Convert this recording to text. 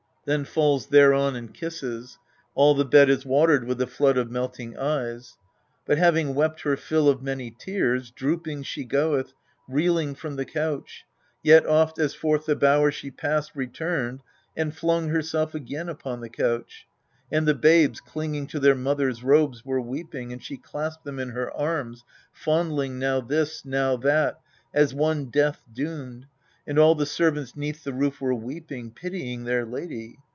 Then falls thereon, and kisses : all the bed Is watered with the flood of melting eyes. But having wept her fill of many tears, Drooping she goeth, reeling from the couch ; Yet oft, as forth the bower she passed, returned, And flung herself again upon the couch. And the babes, clinging to their mother's robes, Were weeping : and she clasped them in her arms, Fondling now this, now that, as one death doomed. And all the servants 'neath the roof were weeping, Pitying their lady.